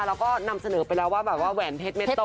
เราก็นำเสนอไปแล้วว่าแบบว่าแหวนเพชรเม็ดโต